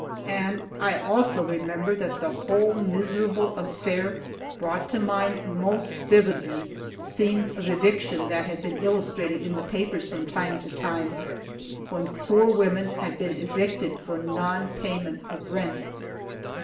And I also remember that the whole miserable affair brought to mind most vividly scenes of eviction that had been illustrated in the papers from time to time, when poor women had been evicted for nonpayment of rent!